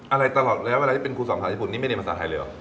อะไรตลอดแล้วเวลาที่เป็นครูสอนภาษาญี่ปุ่นนี่ไม่เรียนภาษาไทยเลยเหรอ